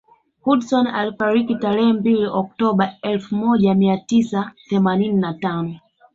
Hudson alifariki tarehe mbili Oktoba elfu moja mia tisa themanini na tano